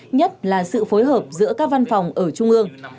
nhất là sự phối hợp giữa các văn phòng ở trung ương